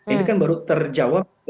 ini kan baru terjawab